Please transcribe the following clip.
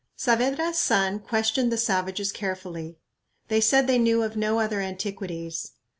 Saavedra's son questioned the savages carefully. They said they knew of no other antiquities.